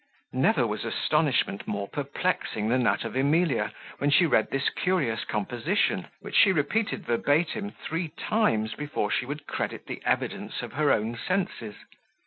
Never was astonishment more perplexing than that of Emilia, when she read this curious composition, which she repeated verbatim three times before she would credit the evidence of her own senses.